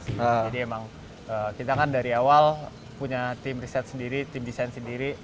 jadi memang kita kan dari awal punya tim riset sendiri tim desain sendiri